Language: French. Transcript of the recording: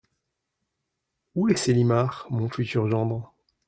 Où est Célimare… mon futur gendre ?